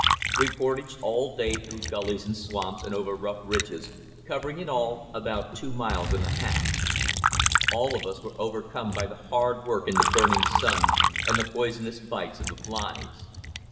We portaged all day through gullies and swamps and over rough ridges, covering in all about two miles and a half. All of us were overcome by the hard work in the burning sun and the poisonous bites of the flies.